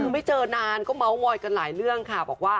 ไม่เจอนานก็เงากันหลายเรื่องค่ะ